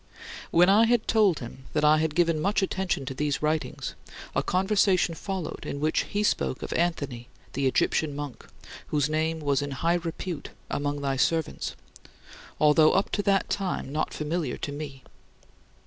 When I had told him that I had given much attention to these writings, a conversation followed in which he spoke of Anthony, the Egyptian monk, whose name was in high repute among thy servants, although up to that time not familiar to me.